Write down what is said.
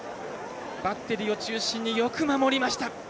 バッテリー中心によく守りました。